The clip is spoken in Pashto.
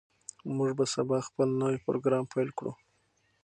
موږ به سبا خپل نوی پروګرام پیل کړو.